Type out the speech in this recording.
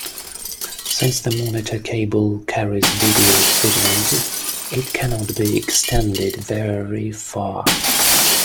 Since the monitor cable carries video signals, it cannot be extended very far.